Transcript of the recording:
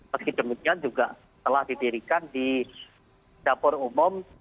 meski demikian juga telah didirikan di dapur umum